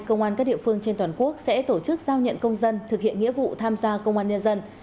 công an các địa phương trên toàn quốc sẽ tổ chức giao nhận công dân thực hiện nghĩa vụ tham gia công an nhân dân